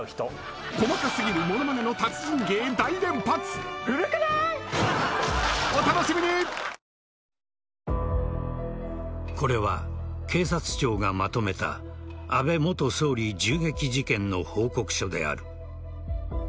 新「グリーンズフリー」これは警察庁がまとめた安倍元総理銃撃事件の報告書である。